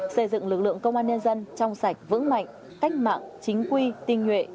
xây dựng lực lượng công an nhân dân trong sạch vững mạnh cách mạng chính quy tinh nhuệ